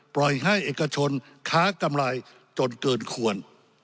ปล่อยให้เอกชนค้ากำไรจนเกินควร